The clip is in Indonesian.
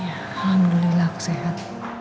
alhamdulillah aku sehat